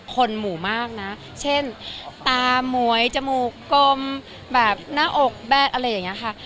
คนหมู่มากนะเช่นตามมวยจมูกกลมแบบหน้าอกแดดอะไรอย่างนี้ค่ะ